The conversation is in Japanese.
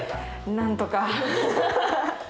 なんとか。